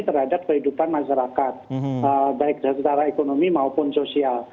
terhadap kehidupan masyarakat baik secara ekonomi maupun sosial